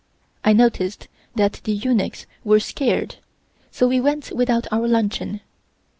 I noticed that the eunuchs were scared, so we went without our luncheon.